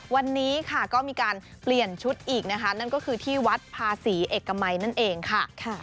วันนี้ค่ะก็มีการเปลี่ยนชุดอีกนะคะนั่นก็คือที่วัดภาษีเอกมัยนั่นเองค่ะ